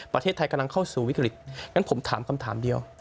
ประเทศไทยกำลังเข้าสู่วิกฤตงั้นผมถามคำถามเดียว